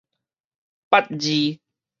識字